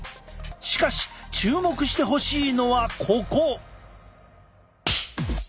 しかし注目してほしいのはここ。